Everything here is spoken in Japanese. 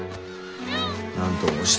何と申した？